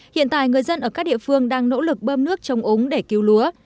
hiện tại người dân ở các địa phương đang nỗ lực bơm nước chống ống để cứu lúa